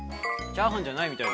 ◆チャーハンじゃない？